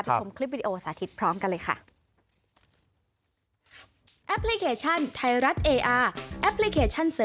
ชมคลิปวิดีโอสาธิตพร้อมกันเลยค่ะ